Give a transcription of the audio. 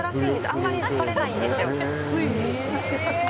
あんまりとれないんです。